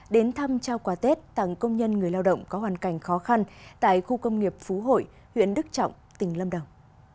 đến thăm trao quà tết tặng công nhân người lao động có hoàn cảnh khó khăn tại khu công nghiệp phú hội huyện đức trọng tỉnh lâm đồng